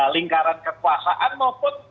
lingkaran kekuasaan maupun